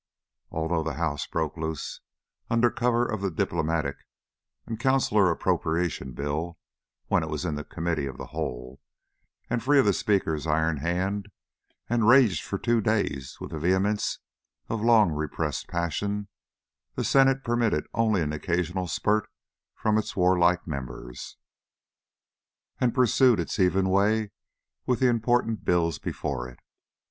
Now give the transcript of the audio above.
Although the House broke loose under cover of the Diplomatic and Consular Appropriation Bill when it was in the Committee of the Whole and free of the Speaker's iron hand, and raged for two days with the vehemence of long repressed passion, the Senate permitted only an occasional spurt from its warlike members, and pursued its even way with the important bills before it.